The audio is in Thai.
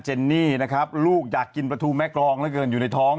เจนนี่ลูกอยากกินปลาทูแม่กรองอยู่ในท้อง